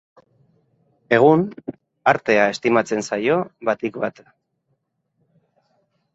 Egun, artea estimatzen zaio batik bat.